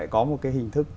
có một cái hình thức